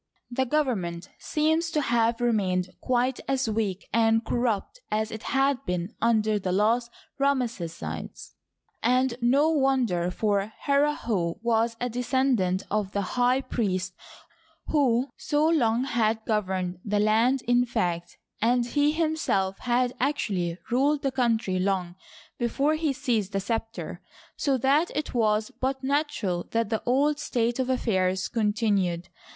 The government seems to have remained quite as weak and corrupt as it had been under the last Ramessides, and no wonder, for Herihor was a descendant of the high Eriests who so long had governed the land in fact, and he imself had actually ruled the country long before he seized the scepter, so that it was but natural that the old state of affairs continued.